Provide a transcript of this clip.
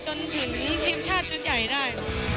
จนถึงทีมชาติชุดใหญ่ได้